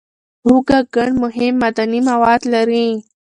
هوږه ګڼ مهم معدني مواد لري.